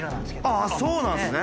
あっそうなんですね。